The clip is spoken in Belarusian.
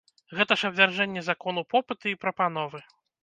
Гэта ж абвяржэнне закону попыту і прапановы!